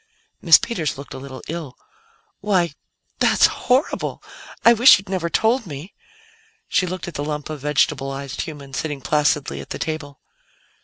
Miss Peters looked a little ill. "Why that's horrible! I wish you'd never told me." She looked at the lump of vegetablized human sitting placidly at the table.